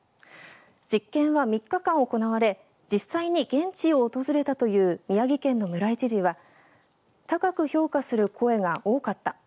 実験は３日間行われ実際に現地を訪れたという宮城県の村井知事は高く評価する声が多かった。